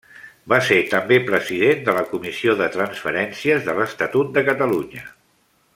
Va ser també president de la Comissió de Transferències de l'Estatut de Catalunya.